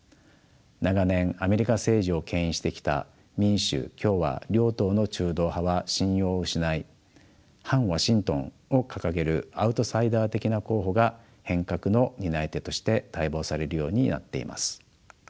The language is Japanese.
長年アメリカ政治をけん引してきた民主・共和両党の中道派は信用を失い反ワシントンを掲げるアウトサイダー的な候補が変革の担い手として待望されるようになっています。